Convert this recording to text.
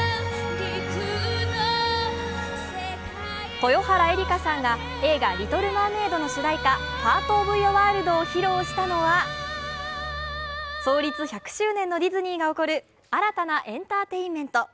豊原江理佳さんが映画「リトル・マーメイド」の主題歌「パート・オブ・ユア・ワールド」を披露したのは創立１００周年のディズニーが送る新たなエンターテインメント。